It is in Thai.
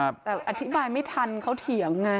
แต่อธิบายไม่ทันเขาเถียงไง